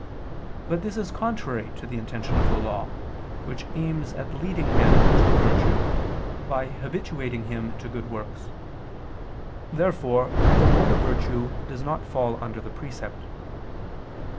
But this is contrary to the intention of the law, which aims at leading man to virtue, by habituating him to good works. Therefore the mode of virtue does not fall under the precept.